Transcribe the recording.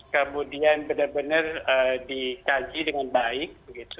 kemudian benar benar dikaji dengan baik